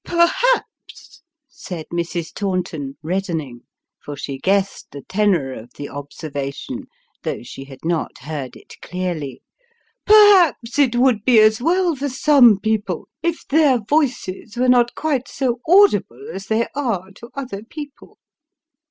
" Perhaps," said Mrs. Taunton, reddening, for she guessed the tenor of the observation, though she had not heard it clearly " Perhaps it would be as well for some people, if their voices were not quite so audible as they are to other people."